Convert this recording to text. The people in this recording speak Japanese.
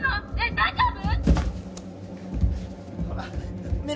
大丈夫？